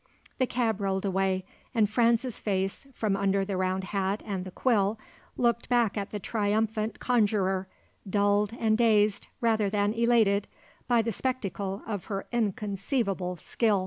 The cab rolled away and Franz's face, from under the round hat and the quill, looked back at the triumphant conjuror, dulled and dazed rather than elated, by the spectacle of her inconceivable skill.